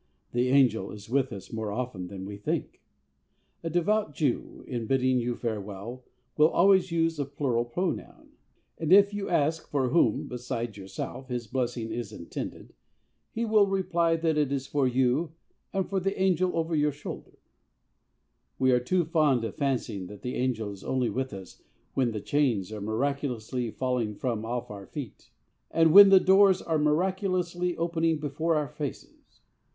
The angel is with us more often than we think. A devout Jew, in bidding you farewell, will always use a plural pronoun. And if you ask for whom, besides yourself, his blessing is intended, he will reply that it is for you and for the angel over your shoulder. We are too fond of fancying that the angel is only with us when the chains are miraculously falling from off our feet, and when the doors are miraculously opening before our faces.